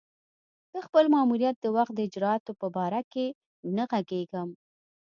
د خپل ماموریت د وخت د اجرآتو په باره کې نه ږغېږم.